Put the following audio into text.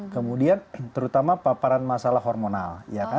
kemudian terutama paparan masalah hormonal